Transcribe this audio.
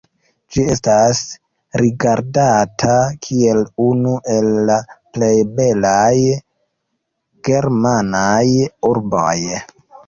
Ĝi estas rigardata kiel unu el la plej belaj germanaj urboj.